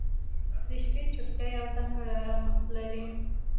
• د شپې چوپتیا یو ځانګړی آرامښت لري.